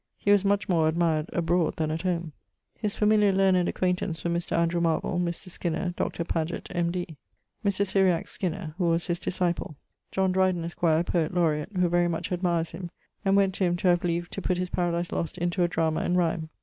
He was much more admired abrode then at home. His familiar learned acquaintance were Mr. Andrew Marvell, Mr. Skinner, Dr. Pagett, M.D. Mr. Skinner, who was his disciple. John Dreyden, esq., Poet Laureate, who very much admires him, and went to him to have leave to putt his Paradise Lost into a drama in rhymne.